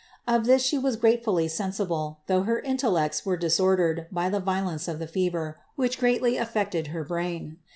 Of this she was gratefully sensible, though her intellects were disordered by the violence of the fever, which greatly affected her brain.